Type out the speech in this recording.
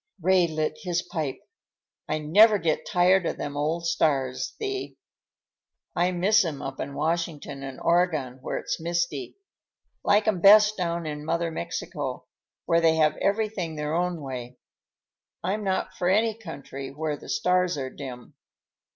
Ray lit his pipe. "I never get tired of them old stars, Thee. I miss 'em up in Washington and Oregon where it's misty. Like 'em best down in Mother Mexico, where they have everything their own way. I'm not for any country where the stars are dim."